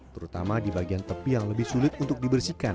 terutama di bagian tepi yang lebih sulit untuk dibersihkan